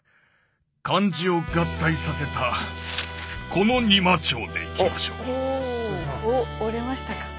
漢字を合体させたこの「仁摩町」でいきましょう。